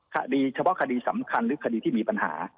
คดีเฉพาะคดีสำคัญหรือคดีที่มีปัญหา